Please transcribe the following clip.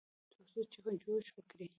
ترڅو چې جوښ وکړي.